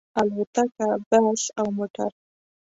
الوتکه، بس او موټر